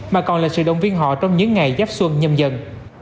mà còn là sự động viên họ trong những ngày giáp xuân nhâm dần